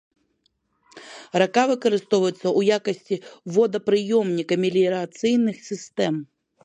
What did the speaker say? Рака выкарыстоўваецца ў якасці водапрыёмніка меліярацыйных сістэм.